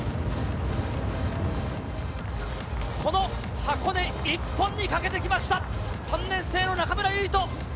この箱根一本にかけてきました、３年生の中村唯翔。